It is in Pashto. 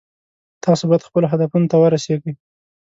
تاسو باید خپلو هدفونو ته ورسیږئ